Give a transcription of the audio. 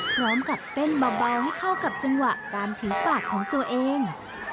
พร้อมกับเต้นเบาให้เข้ากับจังหวะการผิวปากของตัวเอง